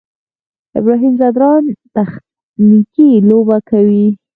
ابراهیم ځدراڼ تخنیکي لوبه کوي.